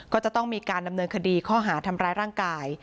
ก็จะต้องมีการดำเนินคดีข้อหาทำร้ายร่างกาย